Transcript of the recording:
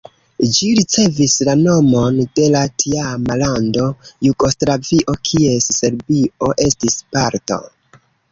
Ĝi ricevis la nomon de la tiama lando Jugoslavio, kies Serbio estis parto.